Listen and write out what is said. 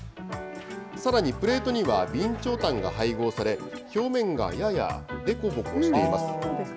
さらにプレートには備長炭が配合され、表面がやや凸凹しています。